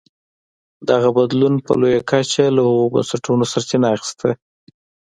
دغه بدلون په لویه کچه له هغو بنسټونو سرچینه اخیسته.